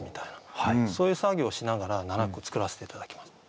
そういう作業をしながら７句作らせて頂きました。